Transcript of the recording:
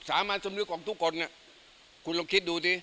สามัญสำนึกของทุกคนคุณลองคิดดูสิ